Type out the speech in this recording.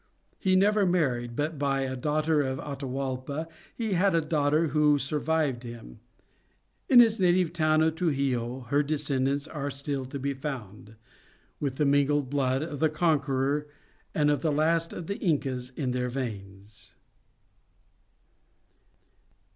He never married, but by a daughter of Atahualpa he had a daughter, who survived him. In his native town of Truxillo her descendants are still to be found, with the mingled blood of the conqueror and of the last of the Incas in their veins.